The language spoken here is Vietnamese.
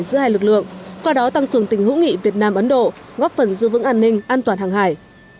giữa hai lực lượng qua đó tăng cường tình hữu nghị việt nam ấn độ góp phần giữ vững an ninh an toàn hàng hải